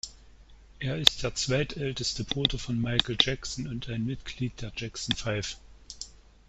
Er ist der zweitälteste Bruder von Michael Jackson und ein Mitglied der Jackson Five.